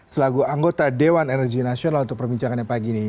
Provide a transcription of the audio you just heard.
selaku anggota dewan energi nasional untuk perbincangannya pagi ini